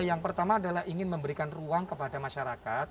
yang pertama adalah ingin memberikan ruang kepada masyarakat